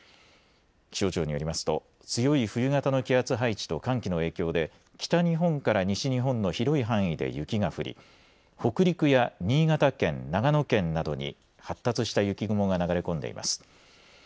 気象庁によりますと強い冬型の気圧配置と寒気の影響で北日本から西日本の広い範囲で雪が降り北陸や新潟県、長野県などに発達した雪雲が流れ込んでいます。